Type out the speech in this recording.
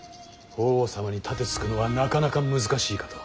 法皇様に盾つくのはなかなか難しいかと。